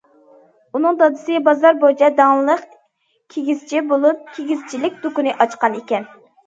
ئۇنىڭ دادىسى بازار بويىچە داڭلىق كىگىزچى بولۇپ، كىگىزچىلىك دۇكىنى ئاچقان ئىكەن.